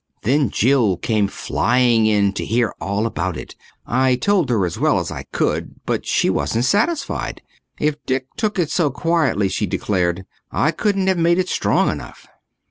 Then Jill came flying in to hear all about it. I told her as well as I could, but she wasn't satisfied. If Dick took it so quietly, she declared, I couldn't have made it strong enough.